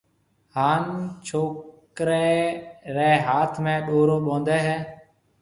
ھان ڇوڪرِي رَي ھاٿ ۾ ڏورو ٻونڌَي ھيََََ